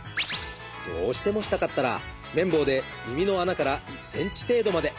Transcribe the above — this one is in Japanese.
どうしてもしたかったら綿棒で耳の穴から１ｃｍ程度まで。